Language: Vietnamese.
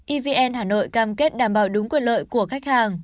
evn hà nội cam kết đảm bảo đúng quyền lợi của khách hàng